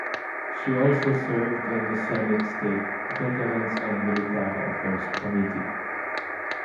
She also served on the Senate State, Veterans and Military Affairs Committee.